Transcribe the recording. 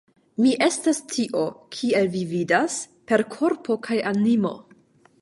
Mi estas tio, kiel vi vidas, per korpo kaj animo.